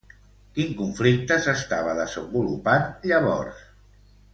Quin conflicte s'estava desenvolupant llavors?